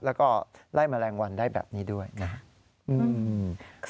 แล้วก็ไล่แมลงวันได้แบบนี้ด้วยนะครับ